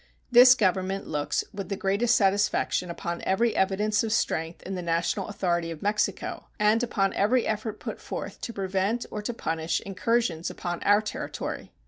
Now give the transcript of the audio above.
This Government looks with the greatest satisfaction upon every evidence of strength in the national authority of Mexico, and upon every effort put forth to prevent or to punish incursions upon our territory.